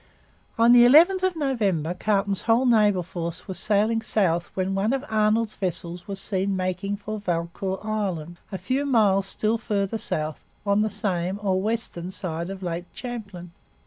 On the 11th of October Carleton's whole naval force was sailing south when one of Arnold's vessels was seen making for Valcour Island, a few miles still farther south on the same, or western, side of Lake Champlain.